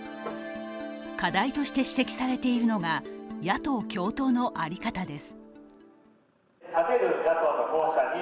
課題として指摘されているのが野党共闘の在り方です。